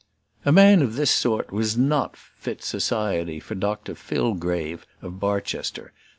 A man of this sort was not fit society for Dr Fillgrave of Barchester.